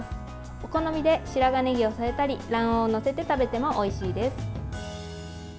お好みで白髪ねぎを添えたり卵黄を載せて食べてもおいしいです。